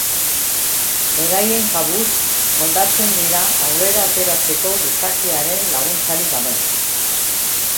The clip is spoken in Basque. Beraien kabuz moldatzen dira aurrera ateratzeko gizakiaren laguntzarik gabe.